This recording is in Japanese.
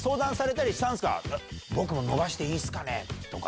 「僕も伸ばしていいっすかね」とか。